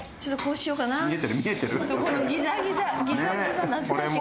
このギザギザギザギザ懐かしい。